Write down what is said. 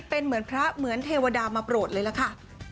เป็นเหมือนพระเหมือนเทวดามาโปรดเลยล่ะค่ะ